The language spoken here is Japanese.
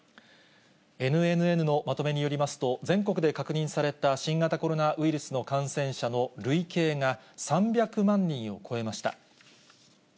ＮＮＮのまとめによりますと、全国で確認された新型コロナウイルスの感染者の累計が、３００万人を超えました。